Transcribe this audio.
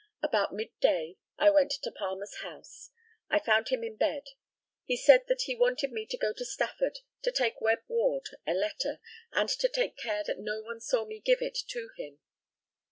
About midday I went to Palmer's house. I found him in bed. He said that he wanted me to go to Stafford to take Webb Ward a letter, and to take care that no one saw me give it to him.